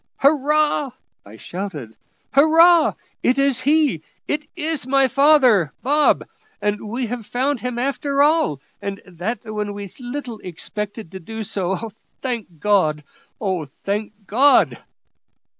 "Hurrah!" I shouted; "hurrah! it is he it is my father, Bob; and we have found him after all, and that when we little expected to do so. Thank God; oh! thank God!"